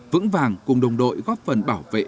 vững vàng cùng đồng đội góp phần bảo vệ